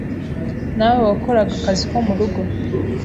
nawe wakoraga akazi ko mu rugo.